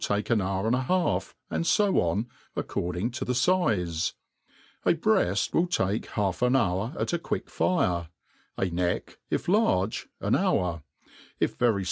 take an hour and a half, and fo on,' according to the fi^e ; ji breaft will take half an^hbiir aia^fquick fire; a neck, if large, an hour; if very.